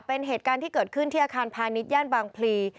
เป็นเหตุการณ์ที่เกิดขึ้นที่อาคารพาณิชย่านบางพลี